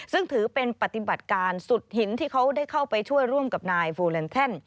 ซึ่งถือเป็นปฏิบัติการสุดหินที่เขาได้เข้าไปช่วยร่วมกับนายโฟแลนแท่น